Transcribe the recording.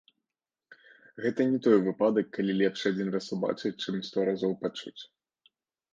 Гэта не той выпадак, калі лепш адзін раз убачыць, чым сто разоў пачуць.